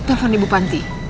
telepon ibu panti